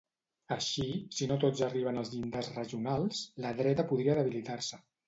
Així, si no tots arriben als llindars regionals, la dreta podria debilitar-se.